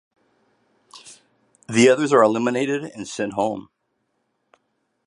The others are eliminated and sent home.